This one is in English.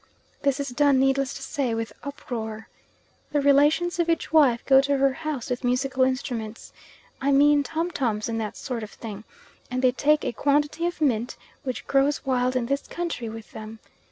This is done, needless to say, with uproar. The relations of each wife go to her house with musical instruments I mean tom toms and that sort of thing and they take a quantity of mint, which grows wild in this country, with them.